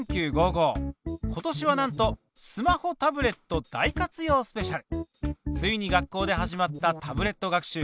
今年はなんとついに学校で始まったタブレット学習。